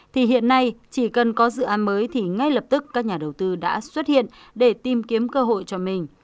thì hiện nay chỉ cần có dự án mới thì ngay lập tức các nhà đầu tư đã xuất hiện để tìm kiếm cơ hội cho mình